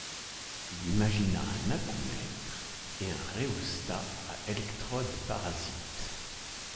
Il imagina un acoumètre et un rhéostat à électrode-parasite.